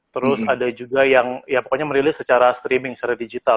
terus ada juga yang ya pokoknya merilis secara streaming secara digital